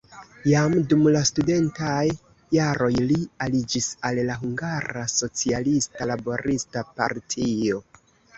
Jam dum la studentaj jaroj li aliĝis al la Hungara Socialista Laborista Partio.